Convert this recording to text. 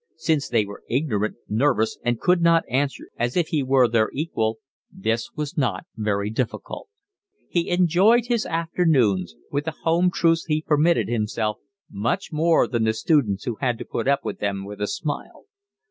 Since they were ignorant, nervous, and could not answer as if he were their equal, this was not very difficult. He enjoyed his afternoons, with the home truths he permitted himself, much more than the students who had to put up with them with a smile.